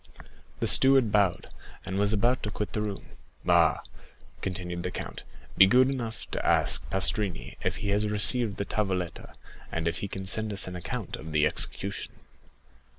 The steward bowed, and was about to quit the room. "Ah!" continued the count, "be good enough to ask Pastrini if he has received the tavoletta, and if he can send us an account of the execution."